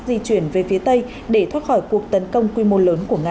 di chuyển về phía tây để thoát khỏi cuộc tấn công quy mô lớn của nga